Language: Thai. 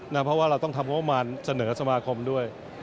เพราะว่าเราต้องทำงบประมาณเสนอสมาคมด้วย